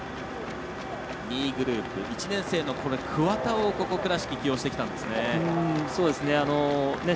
２位グループ１年生の桑田を倉敷は起用してきたんですね。